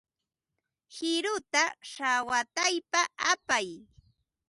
Qiruta shawataypa apay.